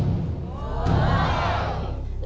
โอ้ย